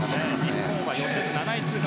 日本は予選７位通過。